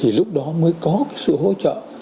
thì lúc đó mới có cái sự hỗ trợ